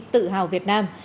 tự hào việt nam